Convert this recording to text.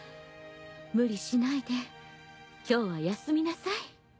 無理しないで今日は休みなさい。